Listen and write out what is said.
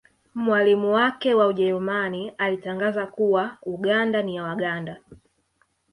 Mwalimu wake wa Ujerumani alitangaza kuwa Uganda ni ya Waganda